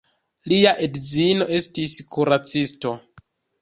Lia edzino estis kuracisto.